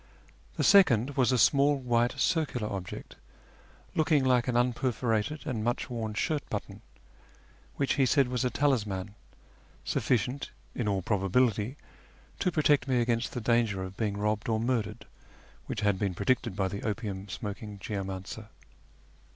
The second was a small white circular object, looking like an unperforated and much worn shirt button, which he said was a talisman, sufficient, in all probability, to protect me against the danger of being robbed or murdered which had been predicted by the opium smoking geomancer.